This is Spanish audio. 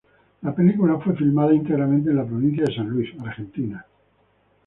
La película fue filmada íntegramente en la provincia de San Luis, Argentina.